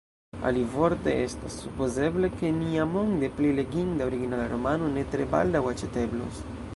Alivorte, estas supozeble, ke niamonde pli leginda originala romano ne tre baldaŭ aĉeteblos.